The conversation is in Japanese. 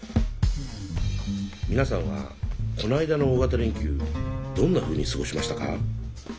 皆さんはこの間の大型連休どんなふうに過ごしましたか？